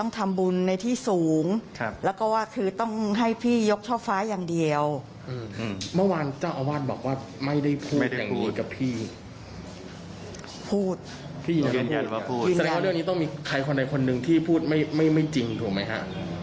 แสดงว่าเรื่องนี้ต้องมีใครคนใดคนหนึ่งที่พูดไม่จริงถูกไหมฮะ